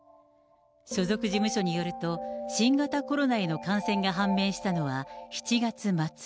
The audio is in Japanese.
所属事務所によると、新型コロナへの感染が判明したのは７月末。